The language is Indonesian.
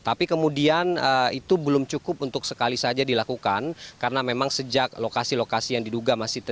tapi kemudian itu belum cukup untuk sekali saja dilakukan karena memang sejak lokasi lokasi yang diduga masih terjadi